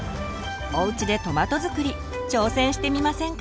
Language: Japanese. おうちでトマトづくり挑戦してみませんか？